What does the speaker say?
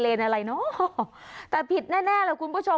อะไรเนอะแต่ผิดแน่แน่แหละคุณผู้ชม